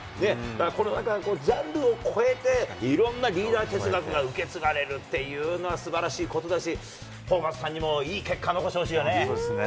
このジャンルを超えて、いろんなリーダー哲学が受け継がれるっていうのはすばらしいことだし、ホーバスさんにも、そうですね。